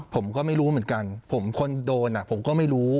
ผมก็ไม่รู้เหมือนกันผมคนโดนผมก็ไม่รู้